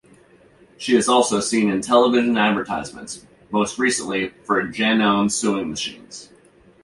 She is also seen in television advertisements, most recently for Janome sewing machines.